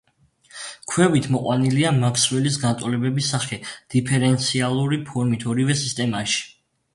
ქვევით მოყვანილია მაქსველის განტოლებების სახე დიფერენციალური ფორმით ორივე სისტემაში.